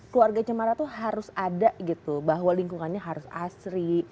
keluarga cemara itu harus ada gitu bahwa lingkungannya harus asri